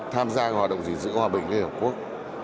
tham gia hoạt động gìn giữ hòa bình liên hợp quốc